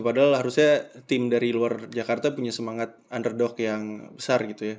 padahal harusnya tim dari luar jakarta punya semangat underdog yang besar gitu ya